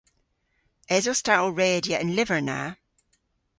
Esos ta ow redya an lyver na?